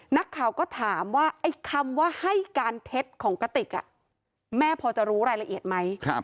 นักข่าวก็ถามว่าไอ้คำว่าให้การเท็จของกระติกแม่พอจะรู้รายละเอียดไหม